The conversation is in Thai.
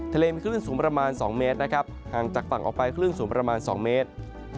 ทะเลมีคลื่นสูงประมาณ๒เมตรนะครับห่างจากฝั่งออกไปคลื่นสูงประมาณ๒เมตร